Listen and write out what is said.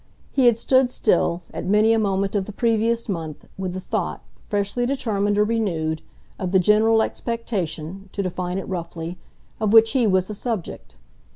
He had stood still, at many a moment of the previous month, with the thought, freshly determined or renewed, of the general expectation to define it roughly of which he was the subject.